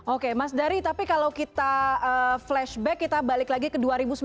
oke mas dari tapi kalau kita flashback kita balik lagi ke dua ribu sembilan belas